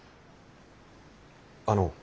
あの。